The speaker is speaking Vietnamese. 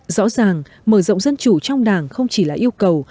rõ ràng mở rộng dân chủ trong đảng không chỉ là yêu cầu